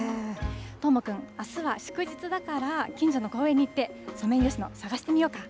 どーもくん、あすは祝日だから、近所の公園に行って、ソメイヨシノ、探してみようか。